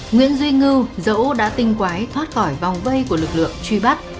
nguyễn duy ngư dẫu đã tinh quái thoát khỏi vòng vây của lực lượng truy bắt